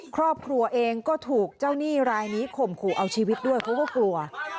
ครอบครัวเองก็ถูกเจ้าหนี้รายนี้ข่มขู่เอาชีวิตด้วยเพราะว่ากลัว